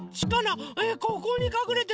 ここにかくれてる。